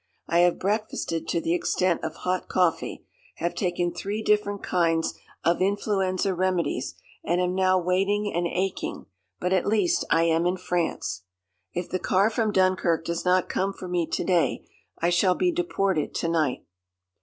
I have breakfasted to the extent of hot coffee, have taken three different kinds of influenza remedies, and am now waiting and aching, but at least I am in France. "If the car from Dunkirk does not come for me to day I shall be deported to night.